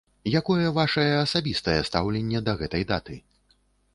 Якое вашае асабістае стаўленне да гэтай даты?